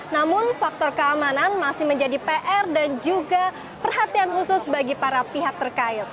namun faktor keamanan masih menjadi pr dan juga perhatian khusus bagi para pihak terkait